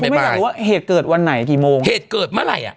ไม่อยากรู้ว่าเหตุเกิดวันไหนกี่โมงเหตุเกิดเมื่อไหร่อ่ะ